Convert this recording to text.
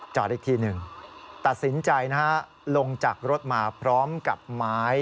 อีกทีหนึ่งตัดสินใจนะฮะลงจากรถมาพร้อมกับไม้